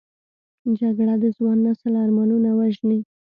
جګړه د ځوان نسل ارمانونه وژني